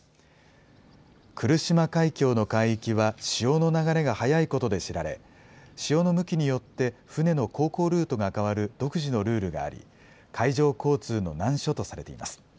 来島海峡の海域は潮の流れが速いことで知られ、潮の向きによって、船の航行ルートが変わる独自のルールがあり、海上交通の難所とされています。